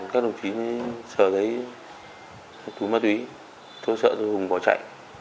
các đồng chí sợ thấy túi ma túy tôi sợ rồi hùng bỏ chạy